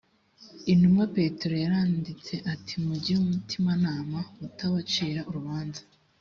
intumwa petero yaranditse ati mugire umutimanama utabacira urubanza